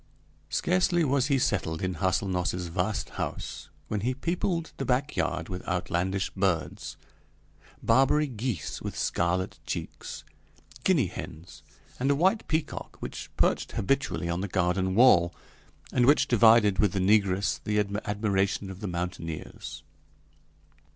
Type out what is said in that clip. Scarcely was he settled in Hâselnoss's vast house when he peopled the back yard with outlandish birds Barbary geese with scarlet cheeks, Guinea hens, and a white peacock, which perched habitually on the garden wall, and which divided with the negress the admiration of the mountaineers.